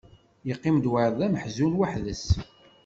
Yeqqim-d wayeḍ d ameḥzun weḥd-s.